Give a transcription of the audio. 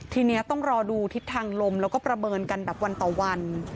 ทีนี้ต้องรอดูทิศทางลมแล้วก็ประเมินกันแบบวันต่อวัน